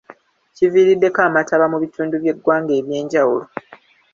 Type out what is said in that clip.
Kiviiriddeko amataba mu bitundu by'eggwanga eby'enjawulo.